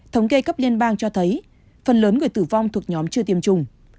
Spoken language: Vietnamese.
thống kê cấp liên bang cho thấy phần lớn người tử vong thuộc nhóm chưa tiêm chủng